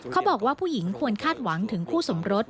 เขาบอกว่าผู้หญิงควรคาดหวังถึงคู่สมรส